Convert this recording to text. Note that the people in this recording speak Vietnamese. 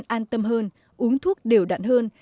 bệnh nhân an tâm hơn uống thuốc đều đặn hơn